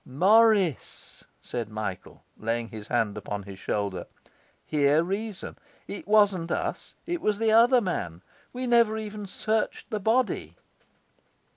'Morris,' said Michael, laying his hand upon his shoulder, 'hear reason. It wasn't us, it was the other man. We never even searched the body.